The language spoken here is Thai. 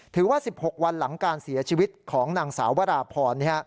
๑๖วันหลังการเสียชีวิตของนางสาววราพร